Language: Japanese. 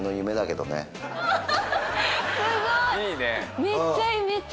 すごい。